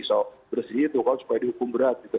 sok bersih itu kalau supaya dihukum berat